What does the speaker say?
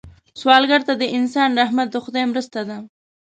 سوالګر ته د انسان رحمت د خدای مرسته ده